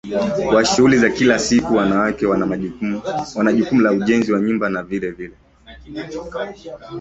wa shughuli za kila siku Wanawake wana jukumu la ujenzi wa nyumba na vilevile